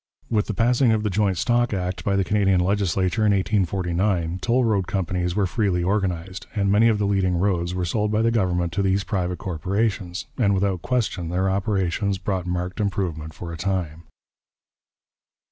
With the passing of the Joint Stock Act by the Canadian legislature in 1849, toll road companies were freely organized, and many of the leading roads were sold by the government to these private corporations, and without question their operations brought marked improvement for a time.